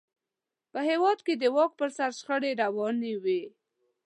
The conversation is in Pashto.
په هېواد کې د واک پر سر شخړې روانې وې.